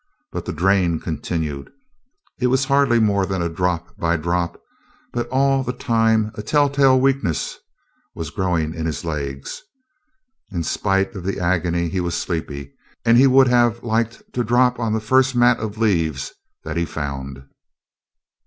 But the drain continued. It was hardly more than drop by drop, but all the time a telltale weakness was growing in his legs. In spite of the agony he was sleepy, and he would have liked to drop on the first mat of leaves that he found.